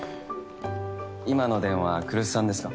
今の電話来栖さんですか？